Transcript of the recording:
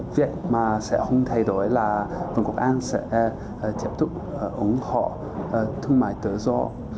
việc mà sẽ không thay đổi là vương quốc anh sẽ tiếp tục ủng hộ thương mại tự do